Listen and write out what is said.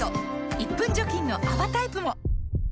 １分除菌の泡タイプも！